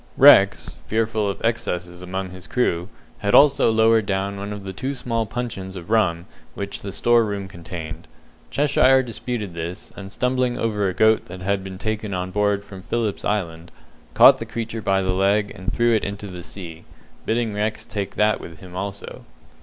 Rex, fearful of excesses among his crew, had also lowered down one of the two small puncheons of rum which the store room contained. Cheshire disputed this, and stumbling over a goat that had been taken on board from Philip's Island, caught the creature by the leg, and threw it into the sea, bidding Rex take that with him also.